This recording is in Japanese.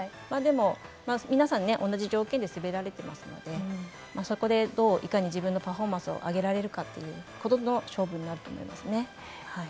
でも、皆さん同じ条件で滑られてますのでそこでどう、いかに自分のパフォーマンスをあげられるかっていうことの勝負になるかと思いますね。